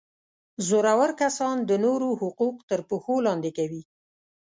زورور کسان د نورو حقوق تر پښو لاندي کوي.